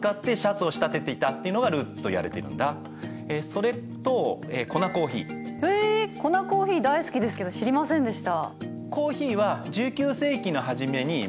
それとえコナ・コーヒー大好きですけど知りませんでした。